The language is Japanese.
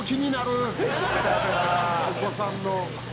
お子さんの。